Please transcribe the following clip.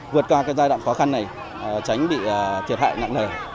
vượt qua cái giai đoạn khó khăn này tránh bị thiệt hại nặng nề